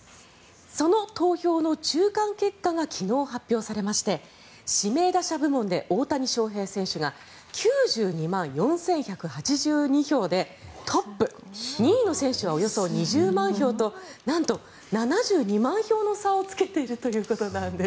その投票の中間結果が昨日発表されまして指名打者部門で大谷翔平選手が９２万４１８２票でトップ２位の選手はおよそ２０万票となんと７２万票の差をつけているということなんです。